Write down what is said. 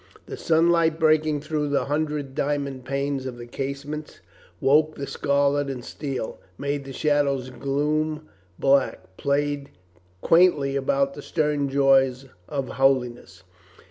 The sunlight breaking through the hundred dia mond panes of the casements, woke the scarlet and steel, made the shadows gloom black, played quaint ly about the stern jaws of holiness.